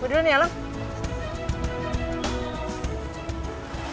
gue dulu nih ya lang